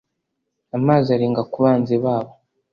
amazi arenga ku banzi babo